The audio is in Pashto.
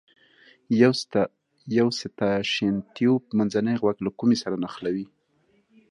یو ستاشین تیوب منځنی غوږ له کومې سره نښلوي.